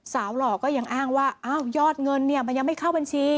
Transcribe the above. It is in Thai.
หล่อก็ยังอ้างว่าอ้าวยอดเงินเนี่ยมันยังไม่เข้าบัญชี